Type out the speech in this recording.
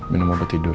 bener mau ketidur